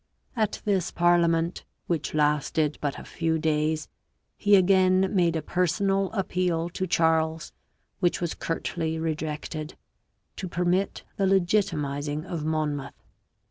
At this parliament, which lasted but a few days, he again made a personal appeal to Charles, which was curtly rejected, to permit the legitimizing of Monmouth.